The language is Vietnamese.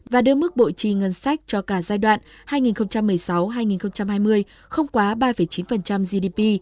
và đưa mức bội trì ngân sách cho cả giai đoạn hai nghìn một mươi sáu hai nghìn hai mươi không quá ba chín gdp